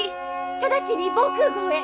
直ちに防空ごうへ！